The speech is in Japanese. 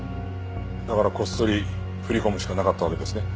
だからこっそり振り込むしかなかったわけですね。